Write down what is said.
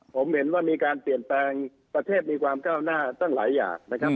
ผมเห็นว่ามีการเปลี่ยนแปลงประเทศมีความก้าวหน้าตั้งหลายอย่างนะครับ